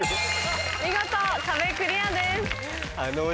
見事壁クリアです。